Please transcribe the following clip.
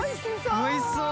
おいしそう！